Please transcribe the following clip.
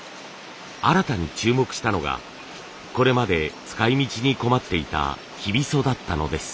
新たに注目したのがこれまで使いみちに困っていた生皮苧だったのです。